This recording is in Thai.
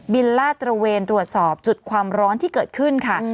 ลาดตระเวนตรวจสอบจุดความร้อนที่เกิดขึ้นค่ะ